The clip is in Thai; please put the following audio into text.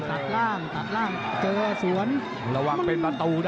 ถั่ดล่างเจอสวน